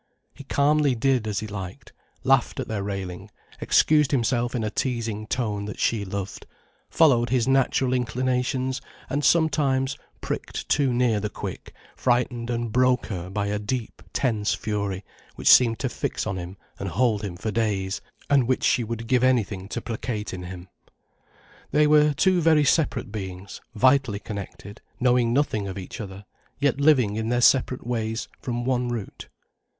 He calmly did as he liked, laughed at their railing, excused himself in a teasing tone that she loved, followed his natural inclinations, and sometimes, pricked too near the quick, frightened and broke her by a deep, tense fury which seemed to fix on him and hold him for days, and which she would give anything to placate in him. They were two very separate beings, vitally connected, knowing nothing of each other, yet living in their separate ways from one root.